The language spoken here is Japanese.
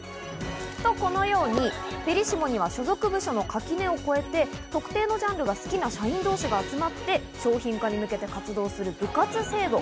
このようにフェリシモには所属部署の垣根を越えて特定のジャンルが好きな社員同士が集まって、商品化に向けて活動する部活制度。